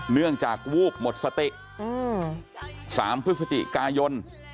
เนื่องจากวูบหมดสติ๓พฤศจิกายน